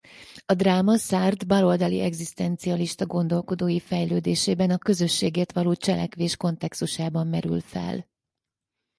A dráma Sartre baloldali egzisztencialista gondolkodói fejlődésében a közösségért való cselekvés kontextusában merül fel.